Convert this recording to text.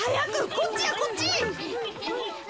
こっちやこっち。